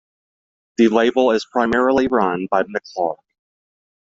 The label is primarily run by McClard.